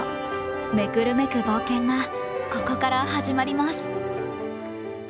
めくるめく冒険がここから始まります。